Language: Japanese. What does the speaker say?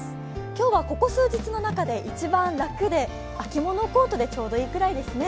今日はここ数日の中で一番楽で、秋物コートでちょうどいいくらいですね。